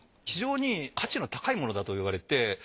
非常に価値の高いものだと言われて。